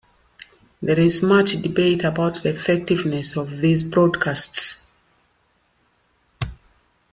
There is much debate about the effectiveness of these broadcasts.